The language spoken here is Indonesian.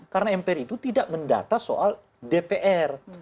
karena mpr itu tidak mendata soal dpr